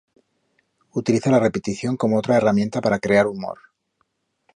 Utiliza la repetición como otra herramienta para crear humor.